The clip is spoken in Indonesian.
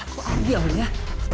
aku ardi aulia